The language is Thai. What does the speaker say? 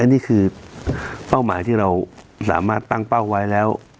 นี่คือเป้าหมายที่เราสามารถตั้งเป้าไว้แล้ว